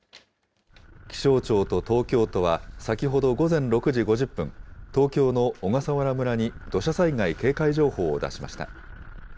気象庁と東京都は、先ほど午前６時５０分、東京の小笠原村に土砂災害警戒情報を出しました。